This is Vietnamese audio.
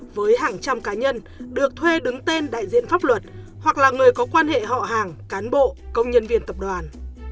với hàng trăm cá nhân được thuê đứng tên đại diện pháp luật hoặc là người có quan hệ họ hàng cán bộ công nhân viên tập đoàn